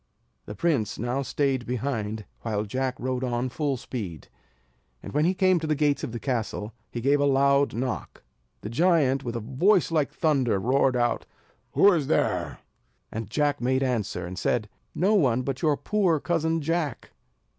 The prince now staid behind, while Jack rode on full speed. And when he came to the gates of the castle, he gave a loud knock. The giant, with a voice like thunder, roared out: "Who is there?" And Jack made answer, and said: "No one but your poor cousin Jack."